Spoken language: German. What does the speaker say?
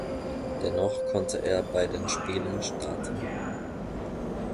Dennoch konnte er bei den Spielen starten.